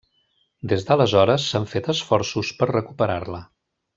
Des d'aleshores s'han fet esforços per recuperar-la.